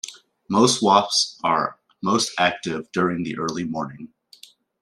Most wasps are most active during the early morning.